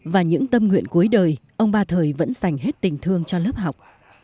và những tâm nguyện cuối đời ông ba thời vẫn sành hết tình thương cho lớp học